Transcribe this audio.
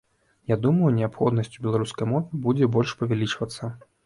Я думаю, неабходнасць у беларускай мове будзе ўсё больш павялічвацца.